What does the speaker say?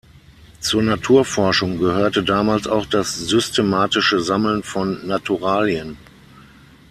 Zur Naturforschung gehörte damals auch das systematische Sammeln von Naturalien.